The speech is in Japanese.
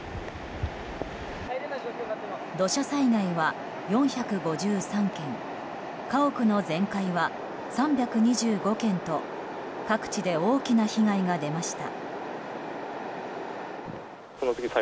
土砂災害は４５３件家屋の全壊は３２５軒と各地で大きな被害が出ました。